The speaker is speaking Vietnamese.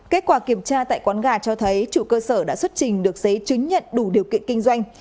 kết quả kiểm tra tại quán gà cho thấy chủ cơ sở đã xuất trình được giấy chứng nhận đủ điều kiện kinh doanh